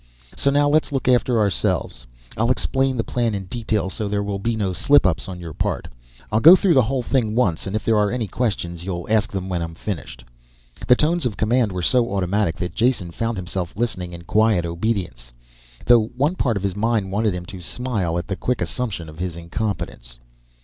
So now let's look after ourselves. I'll explain the plan in detail so there will be no slip ups on your part. I'll go through the whole thing once and if there are any questions you'll ask them when I'm finished." The tones of command were so automatic that Jason found himself listening in quiet obedience. Though one part of his mind wanted him to smile at the quick assumption of his incompetence.